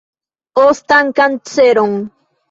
Ostan kanceron.